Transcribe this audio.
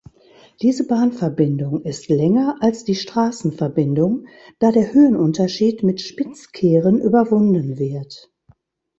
Diese Bahnverbindung ist länger als die Straßenverbindung, da der Höhenunterschied mit Spitzkehren überwunden wird.